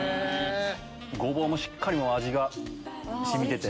ゴボウもしっかり味が染みてて。